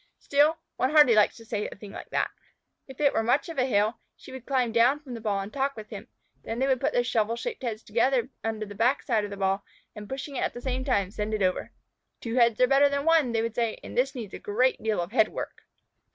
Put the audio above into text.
Still, one hardly likes to say a thing like that. If it were much of a hill, she would climb down from the ball and talk with him. Then they would put their shovel shaped heads together under the back side of the ball, and, pushing at the same time, send it over. "Two heads are better than one," they would say, "and this needs a great deal of head work."